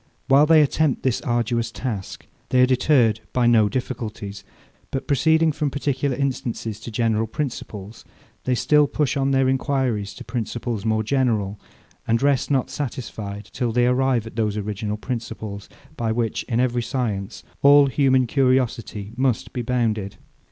While they attempt this arduous task, they are deterred by no difficulties; but proceeding from particular instances to general principles, they still push on their enquiries to principles more general, and rest not satisfied till they arrive at those original principles, by which, in every science, all human curiosity must be bounded.